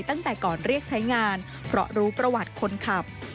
ตั้งแต่ก่อนเรียกใช้งานเพราะรู้ประวัติคนขับ